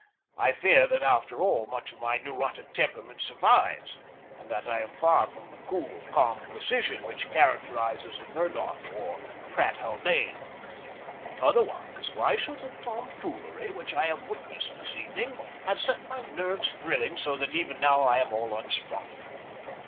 I fear that, after all, much of my neurotic temperament survives, and that I am far from that cool, calm precision which characterizes Murdoch or Pratt Haldane. Otherwise, why should the tomfoolery which I have witnessed this evening have set my nerves thrilling so that even now I am all unstrung?